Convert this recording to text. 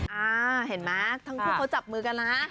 อ่าเห็นไหมทั้งคู่เขาจับมือกันนะ